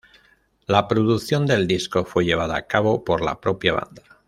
La producción del disco fue llevada a cabo por la propia banda.